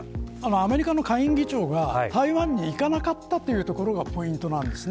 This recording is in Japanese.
アメリカの下院議長が台湾に行かなかったというところがポイントです。